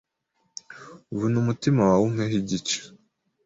Vuna umutima wawe umpeho igice